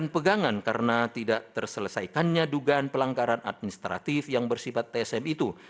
pegangan karena tidak terselesaikannya dugaan pelanggaran administratif yang bersifat tsm itu